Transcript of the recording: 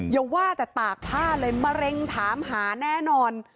อย่าว่าแต่ตากผ้าเลยมะเร็งถามหาแน่นอน